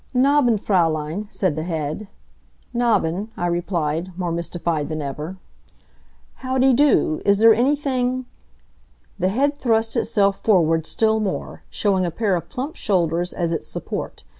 "Nabben', Fraulein," said the head. "Nabben'," I replied, more mystified than ever. "Howdy do! Is there anything " The head thrust itself forward still more, showing a pair of plump shoulders as its support.